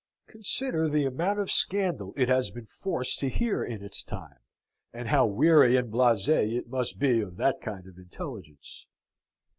Consider the amount of scandal it has been forced to hear in its time, and how weary and blase it must be of that kind of intelligence.